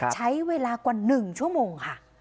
ใช้เวลากว่า๑ชั่วโมงค่ะ